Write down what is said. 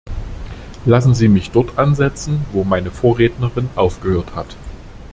Lassen Sie mich dort ansetzen, wo meine Vorrednerin aufgehört hat.